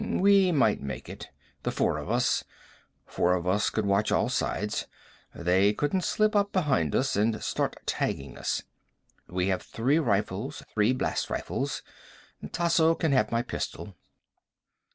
"We might make it. The four of us. Four of us could watch all sides. They couldn't slip up behind us and start tagging us. We have three rifles, three blast rifles. Tasso can have my pistol."